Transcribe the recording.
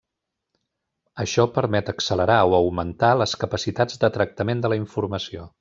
Això permet accelerar o augmentar les capacitats de tractament de la informació.